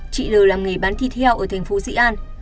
chị l làm nghề bán thịt heo ở thành phố dị an